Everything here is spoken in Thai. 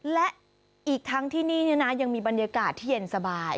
และอีกทั้งที่นี่ยังมีบรรยากาศที่เย็นสบาย